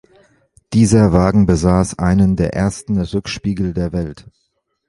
Dieser Wagen besaß einen der ersten Rückspiegel der Welt.